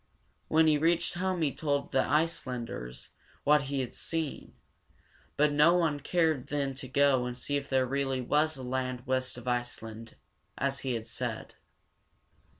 When he reached home he told the Ice´land ers what he had seen; but no one cared then to go and see if there really was a land west of Iceland, as he had said.